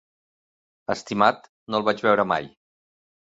Estimat, no el vaig veure mai.